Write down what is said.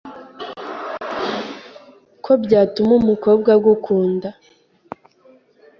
ko byatuma umukobwa agukunda